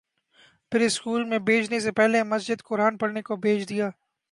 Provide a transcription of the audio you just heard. پھر اسکول میں بھیجنے سے پہلے مسجد قرآن پڑھنے کو بھیج دیا